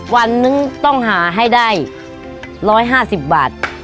วันนึงต้องหาให้ได้๑๕๐บาท